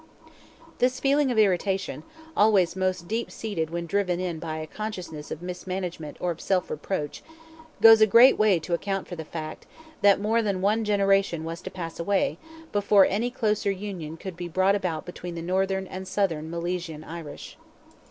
This feeling of irritation, always most deep seated when driven in by a consciousness of mismanagement or of self reproach, goes a great way to account for the fact, that more than one generation was to pass away, before any closer union could be brought about between the Northern and Southern Milesian Irish.